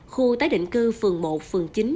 khu tái định cư phường một phường chín